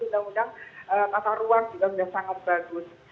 undang undang tata ruang juga sudah sangat bagus